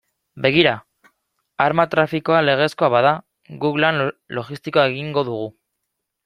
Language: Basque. Begira, arma trafikoa legezkoa bada, guk lan logistikoa egingo dugu.